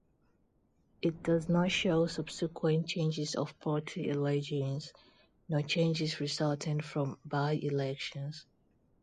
It does not show subsequent changes of party allegiance, nor changes resulting from by-elections.